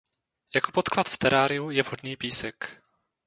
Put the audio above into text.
Jako podklad v teráriu je vhodný písek.